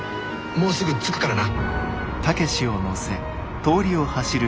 もうすぐ着くからな。